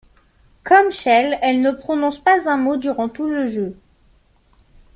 Comme Chell, elle ne prononce pas un mot durant tout le jeu.